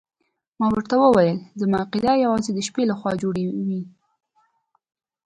ما ورته وویل زما عقیده یوازې د شپې لخوا جوړه وي.